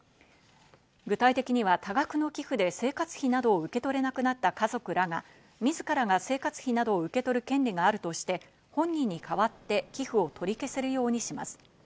具体的には多額の寄付で生活費などを受け取れなくなった家族らがみずからが生活費などを受け取る権利があるとして本人に代わって寄付を取り消せるようにします。